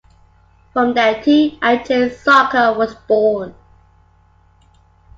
From there T and J Soccer was born.